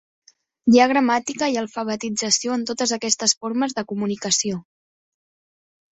Hi ha gramàtica i alfabetització en totes aquestes formes de comunicació.